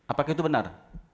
apakah itu benar